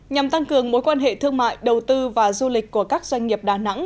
nhằm tăng cường mối quan hệ thương mại đầu tư và du lịch của các doanh nghiệp đà nẵng